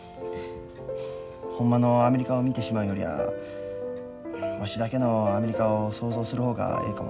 ほんまのアメリカを見てしまうよりはわしだけのアメリカを想像する方がええかも分からん。